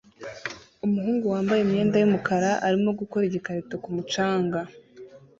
Umuhungu wambaye imyenda yumukara arimo gukora igikarito ku mucanga